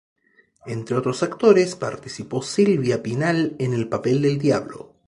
Entre otros actores, participó Silvia Pinal en el papel del diablo.